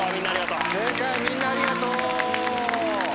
正解みんなありがとう。